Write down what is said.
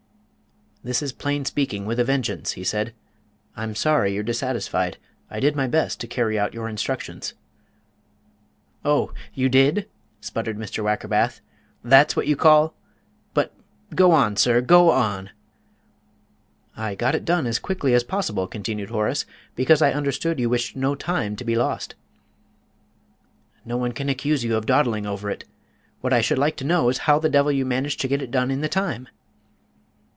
"This is plain speaking with a vengeance," he said; "I'm sorry you're dissatisfied. I did my best to carry out your instructions." "Oh, you did?" sputtered Mr. Wackerbath. "That's what you call but go on, sir, go on!" "I got it done as quickly as possible," continued Horace, "because I understood you wished no time to be lost." "No one can accuse you of dawdling over it. What I should like to know is how the devil you managed to get it done in the time?"